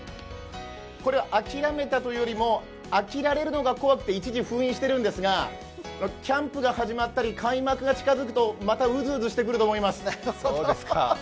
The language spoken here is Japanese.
諦めたというよりも飽きられるのが怖くて一時封印してるんですが、キャンプが始まったり開幕が近づくと、またうずうずしてくると思います。